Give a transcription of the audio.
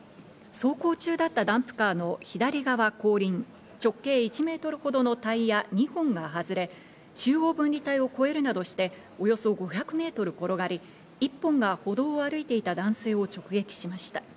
走行中だったダンプカーの左側後輪、直径１ｍほどのタイヤ２本が外れ、中央分離帯を越えるなどしておよそ５００ｍ転がり、１本が歩道を歩いていた男性を直撃しました。